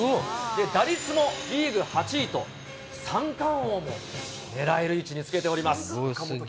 打率もリーグ８位と、三冠王も狙える位置につけております。